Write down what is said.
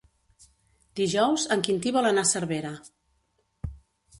Dijous en Quintí vol anar a Cervera.